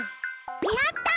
やった！